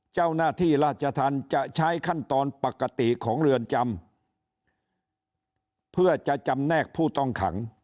เจ้าหน้าที่ราชธรรมจะใช้ขั้นตอนปกติของเรือนจำเพื่อจะจำแนกผู้ต้องขัง